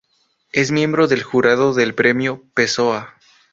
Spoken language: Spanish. Es miembro del jurado del Premio Pessoa.